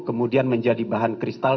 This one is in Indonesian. kemudian menjadi bahan kristal